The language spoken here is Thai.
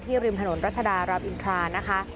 ริมถนนรัชดารามอินทรานะคะ